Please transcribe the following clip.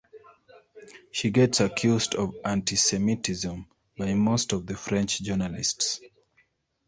She gets accused of antisemitism by most of the french journalists.